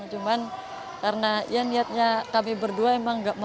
cuman karena niatnya kami berdua memang gak mau